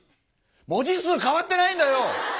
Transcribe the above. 文字数変わってないんだよ！